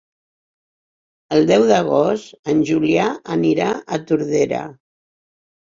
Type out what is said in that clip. El deu d'agost en Julià anirà a Tordera.